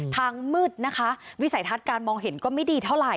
มืดนะคะวิสัยทัศน์การมองเห็นก็ไม่ดีเท่าไหร